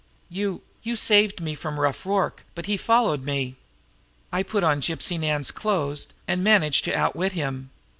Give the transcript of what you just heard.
You you saved me from Rough Rorke, but he followed me. I put on Gypsy Nan's clothes, and managed to outwit him.